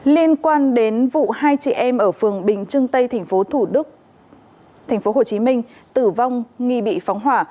liên quan đến vụ hai chị em ở phường bình trưng tây tp hcm tử vong nghi bị phóng hỏa